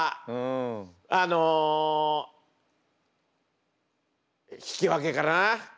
あの引き分けかな。